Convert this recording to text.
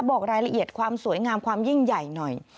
บอกรายละเอียดความสวยงามความยิ่งใหญ่หน่อย